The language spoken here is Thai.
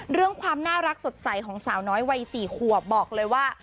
เรื่องความน่ารักสดใสของสาวน้อยวัย๔ขวบบอกเลยว่า